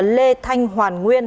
lê thanh hoàn nguyên